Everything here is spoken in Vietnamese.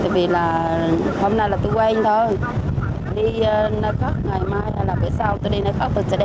tại vì là hôm nay là tôi quen thôi đi nơi khác ngày mai là bữa sau tôi đi nơi khác tôi sẽ đeo khẩu trang